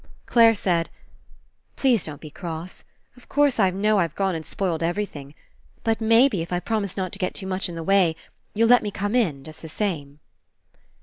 Clare said: "Please don't be cross. Of course, I know I've gone and spoiled every 130 RE ENCOUNTER thing. But maybe, If I promise not to get too much in the way, you'll let me come in, just the same."